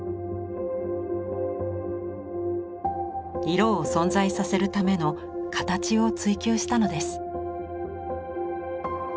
色を存在させるための「形」を追求したのです。